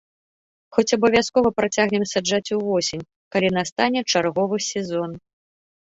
Хоць абавязкова працягнем саджаць увосень, калі настане чарговы сезон.